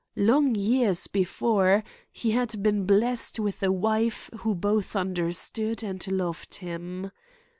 Long years before, he had been blessed with a wife who both understood and loved him.